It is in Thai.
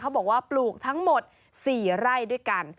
บอกว่าปลูกทั้งหมด๔ไร่ด้วยกัน